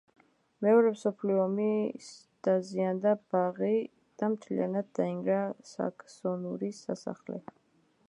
მეორე მსოფლიო ომის დაზიანდა ბაღი და მთლიანად დაინგრა საქსონური სასახლე.